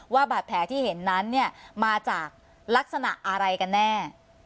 ว่าบาดแผลที่เห็นนั้นเนี่ยมาจากลักษณะอะไรกันแน่